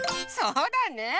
そうだね。